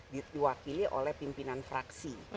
diwakili oleh pimpinan fraksi